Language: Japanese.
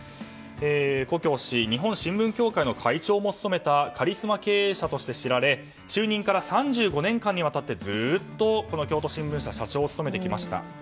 古京氏、日本新聞協会の会長も務めたカリスマ経営者として知られ就任から３５年間にわたってずっとこの京都新聞社社長を務めてきました。